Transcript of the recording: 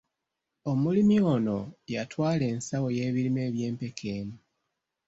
Omulimi ono yatwala ensawo y'ebirime eby'empeke emu.